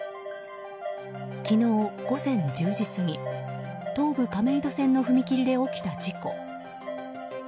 昨日午前１０時過ぎ東武亀戸線の踏切で起きた事故。